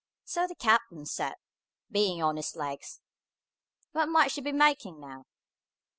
So the captain said, being on his legs, "What might she be making now?"